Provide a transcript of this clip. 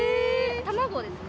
卵ですか？